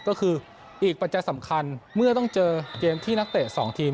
ก็คืออีกปัจจัยสำคัญเมื่อต้องเจอเกมที่นักเตะ๒ทีม